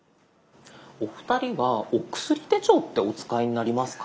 お二人はお薬手帳ってお使いになりますか？